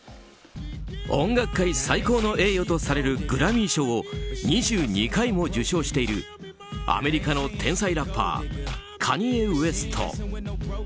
音楽界最高の栄誉とされるグラミー賞を２２回も受賞しているアメリカの天才ラッパーカニエ・ウェスト。